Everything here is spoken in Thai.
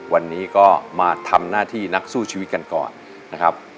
วันนี้ก็มาทำหน้าที่นักสู้ชีวิตกันก่อนนะครับ